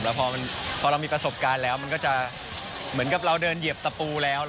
แล้วพอเรามีประสบการณ์แล้วมันก็จะเหมือนกับเราเดินเหยียบตะปูแล้ว